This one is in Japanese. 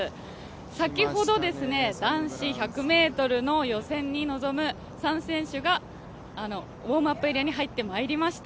先ほど男子１００ｍの予選に臨む３選手がウォームアップエリアに入ってまいりました。